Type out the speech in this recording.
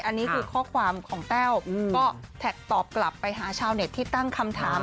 อันนี้คือข้อความของแต้วก็แท็กตอบกลับไปหาชาวเน็ตที่ตั้งคำถาม